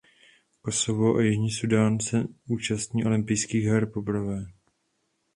Kosovo a Jižní Súdán se účastní olympijských her poprvé.